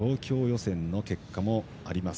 東京予選の結果もあります。